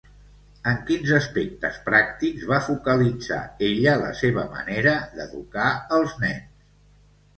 En quins aspectes pràctics va focalitzar ella la seva manera d'educar els nens?